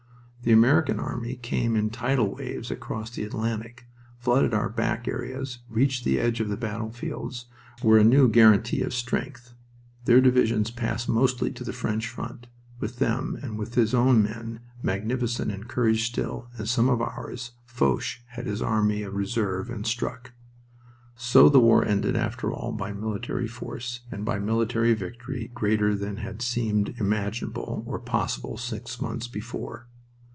The American army came in tidal waves across the Atlantic, flooded our back areas, reached the edge of the battlefields, were a new guaranty of strength. Their divisions passed mostly to the French front. With them, and with his own men, magnificent in courage still, and some of ours, Foch had his army of reserve, and struck. So the war ended, after all, by military force, and by military victory greater than had seemed imaginable or possible six months before.